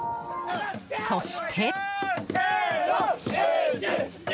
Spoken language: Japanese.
そして。